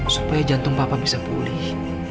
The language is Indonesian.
supaya jantung papa bisa pulih